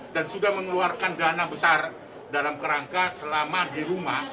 dan sudah mengeluarkan dana besar dalam kerangka selama di rumah